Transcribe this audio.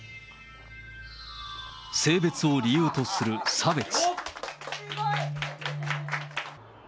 性別を理由とする差別。